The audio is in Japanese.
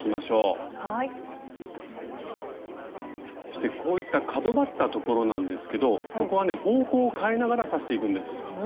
そしてこういった角ばったところなんですけどここはね方向を変えながら刺していくんです。